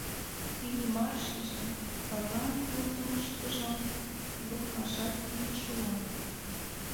Иллимар шиже: Карлан туныктымыштыжо игылтмашат изиш уло.